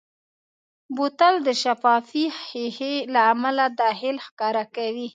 بوتل د شفافې ښیښې له امله داخل ښکاره کوي.